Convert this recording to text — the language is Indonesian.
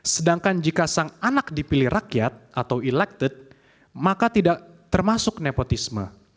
sedangkan jika sang anak dipilih rakyat atau elected maka tidak termasuk nepotisme